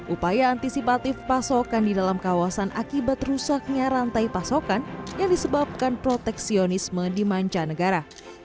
upaya antisipatif pasokan di dalam kawasan akibat rusaknya rantai pasokan yang disebabkan proteksionisme di manca negara